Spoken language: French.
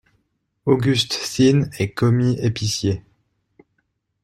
Auguste Thin est commis-épicier.